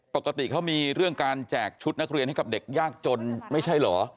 ปกติเขามีเรื่องการแจกชุดนักเรียนให้กับเด็กยากจนไม่ใช่เหรอ